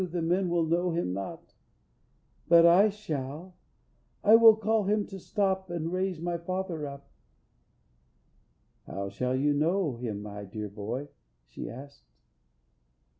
The men will know Him not, But I shall, and will call to Him to stop And raise my father up." "How shall you know Him, my dear boy?" she asked.